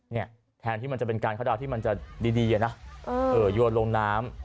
เนี่ยแทนที่มันจะเป็นการเข้าดาวน์ที่มันจะดีอะนะโยนลงน้ำ